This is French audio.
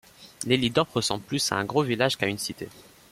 Lelydorp ressemble plus à un gros village qu'à une cité.